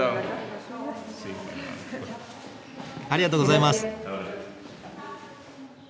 ありがとうございます。